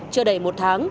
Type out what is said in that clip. chưa đầy một tháng